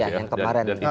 ya yang kemarin